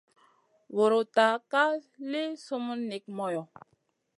Vuruta ka li summun nik moyo.